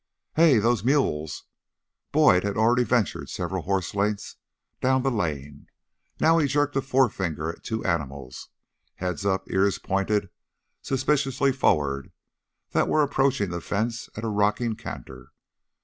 "Hey, those mules!" Boyd had already ventured several horse lengths down the lane. Now he jerked a forefinger at two animals, heads up, ears pointed suspiciously forward, that were approaching the fence at a rocking canter.